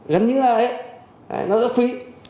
gắn như là đấy nó rất phí